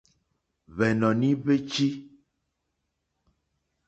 Hwènɔ̀ní hwé chí.